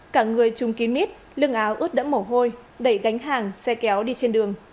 cả người chung kín mít lưng áo ướt đẫm mổ hôi đẩy gánh hàng xe kéo đi trên đường